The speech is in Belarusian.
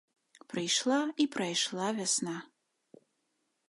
Прыйшла і прайшла вясна.